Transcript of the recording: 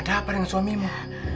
apa dengan suamimu